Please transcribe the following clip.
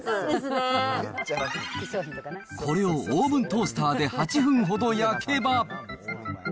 これをオーブントースターで８分ほど焼けば。